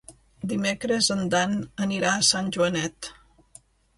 Dimecres en Dan anirà a Sant Joanet.